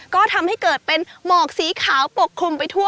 ก็ทำให้เกิดเป็นหมอกสีขาวปกคลุมไปทั่ว